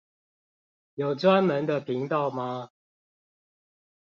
有專門的頻道嗎